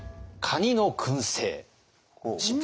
カニのくんせい？